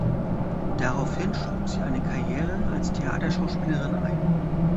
Daraufhin schlug sie eine Karriere als Theaterschauspielerin ein.